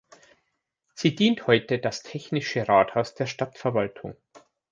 Sie dient heute das technische Rathaus der Stadtverwaltung.